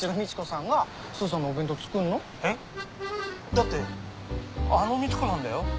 だってあのみち子さんだよ。